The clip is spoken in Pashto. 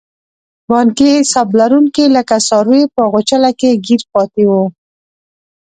بانکي حساب لرونکي لکه څاروي په غوچله کې ګیر پاتې وو.